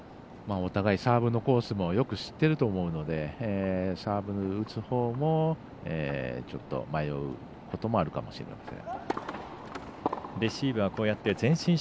お互い、サーブのコースもよく知っていると思うのでサーブ打つほうもちょっと迷うこともあるかもしれません。